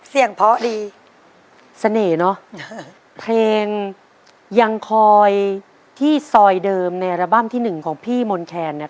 เพาะดีเสน่ห์เนอะเพลงยังคอยที่ซอยเดิมในอัลบั้มที่หนึ่งของพี่มนต์แคนเนี่ย